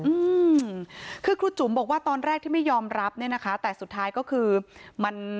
อืมคือครูจุ๋มบอกว่าตอนแรกที่ไม่ยอมรับเนี่ยนะคะแต่สุดท้ายก็คือมัน